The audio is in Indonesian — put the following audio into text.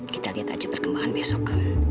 kita lihat aja perkembangan besok